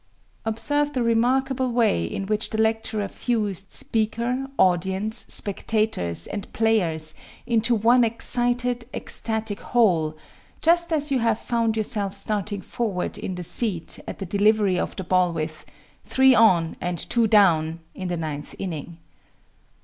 Observe the remarkable way in which the lecturer fused speaker, audience, spectators, and players into one excited, ecstatic whole just as you have found yourself starting forward in your seat at the delivery of the ball with "three on and two down" in the ninth inning.